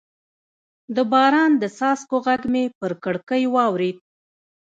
د باران د څاڅکو غږ مې پر کړکۍ واورېد.